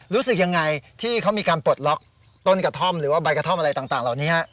รู้สึกยังไงที่เขามีการปลดล็อกต้นกระท่อมหรือว่าใบกระท่อมอะไรต่างเหล่านี้